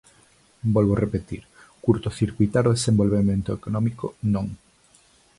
Volvo repetir: curtocircuitar o desenvolvemento económico, non.